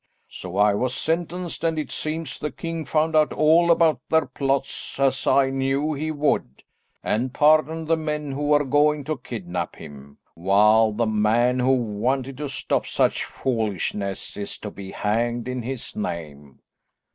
So I was sentenced, and it seems the king found out all about their plot as I knew he would, and pardoned the men who were going to kidnap him, while the man who wanted to stop such foolishness is to be hanged in his name."